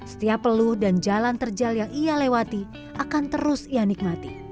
setiap peluh dan jalan terjal yang ia lewati akan terus ia nikmati